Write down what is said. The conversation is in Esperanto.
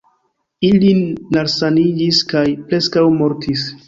Ili nalsaniĝis kaj preskaŭ mortis.